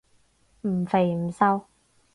唔肥唔瘦